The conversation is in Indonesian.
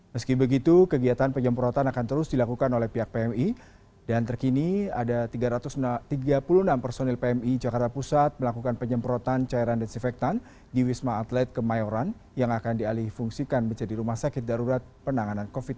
meski begitu kegiatan penyemprotan akan terus dilakukan oleh pihak pmi dan terkini ada tiga ratus tiga puluh enam personil pmi jakarta pusat melakukan penyemprotan cairan desinfektan di wisma atlet kemayoran yang akan dialih fungsikan menjadi rumah sakit darurat penanganan covid sembilan belas